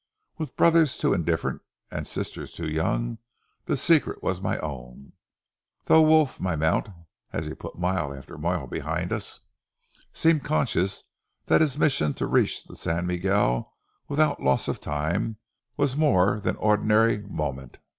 With brothers too indifferent, and sisters too young, the secret was my own, though Wolf, my mount, as he put mile after mile behind us, seemed conscious that his mission to reach the San Miguel without loss of time was of more than ordinary moment.